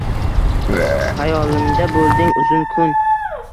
Xayolimda bo’lding uzun kun